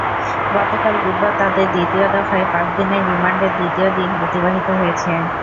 গতকাল বুধবার তাঁদের দ্বিতীয় দফায় পাঁচ দিনের রিমান্ডের দ্বিতীয় দিন অতিবাহিত হয়েছে।